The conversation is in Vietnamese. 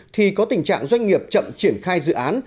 thì có tình trạng doanh nghiệp chậm triển khai dự án